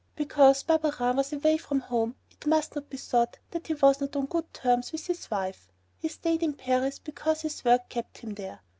Because Barberin was away from home it must not be thought that he was not on good terms with his wife. He stayed in Paris because his work kept him there.